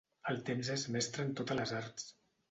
El temps és mestre en totes les arts.